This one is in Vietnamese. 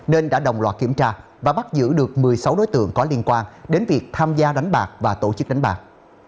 nên đã đồng loạt kiểm tra và bắt giữ được một mươi sáu đối tượng có liên quan đến việc tham gia đánh bạc và tổ chức đánh bạc